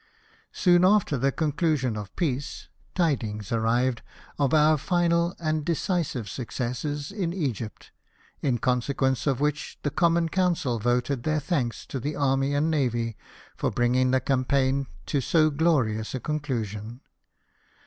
Soon after the conclusion of peace, tidings arrived of our final and decisive successes in Egypt, in consequence of which the Common Council voted their thanks to the army and navy for bringing the campaign to so glorious a conclusion.